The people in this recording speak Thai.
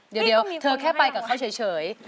เดี๋ยวเธอแค่ไปกับเขาเฉย